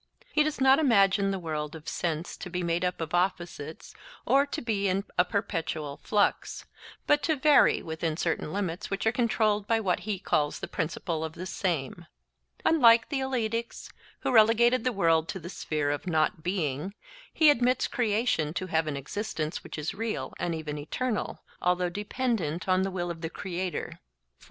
He does not imagine the world of sense to be made up of opposites or to be in a perpetual flux, but to vary within certain limits which are controlled by what he calls the principle of the same. Unlike the Eleatics, who relegated the world to the sphere of not being, he admits creation to have an existence which is real and even eternal, although dependent on the will of the creator.